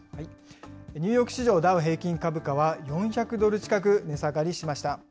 ニューヨーク市場ダウ平均株価は、４００ドル近く値下がりしました。